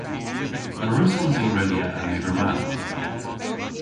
A wrussons i redya an lyver ma?